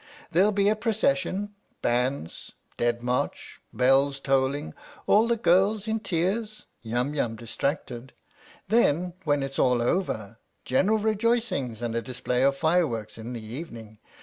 There'll be a procession, bands, Dead March, bells tolling, all the girls in tears, Yum Yum distracted then, when it's all over, general rejoicings and a display of fireworks in the evening